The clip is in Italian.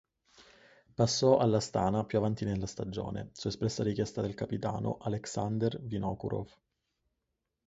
Passò all'Astana più avanti nella stagione, su espressa richiesta del capitano Aleksander Vinokurov.